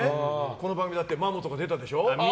この番組だってまもとか出たでしょ。